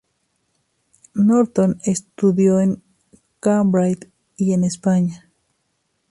Norton estudió en Cambridge y en España.